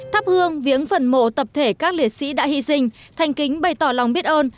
thắp hương viếng phần mộ tập thể các liệt sĩ đã hy sinh thành kính bày tỏ lòng biết ơn